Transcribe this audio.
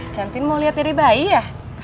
cantin mau lihat diri bayi ya